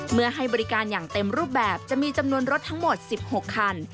ให้บริการอย่างเต็มรูปแบบจะมีจำนวนรถทั้งหมด๑๖คัน